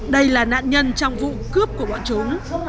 đây là nạn nhân trong vụ cướp của bọn chúng